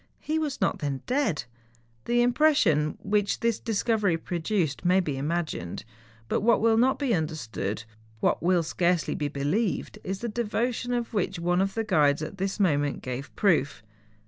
He was not then dead ! The impression which this discovery produced may be imagined. But what will not be understood, what will scarcely be be¬ lieved, is the devotion of which one of the guides at this moment gave proof.